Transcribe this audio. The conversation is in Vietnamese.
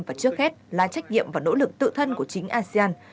và trước hết là trách nhiệm và nỗ lực tự thân của chính asean